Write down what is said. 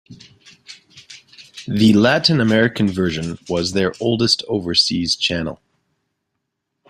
The Latin American version was their oldest overseas channel.